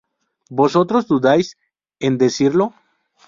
vosotros dudáis en decirlo